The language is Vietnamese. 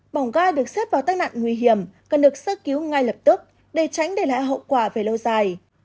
bỏng ga được xếp vào tai nạn nguy hiểm cần được sơ cứu ngay lập tức để tránh để lại hậu quả về lâu dài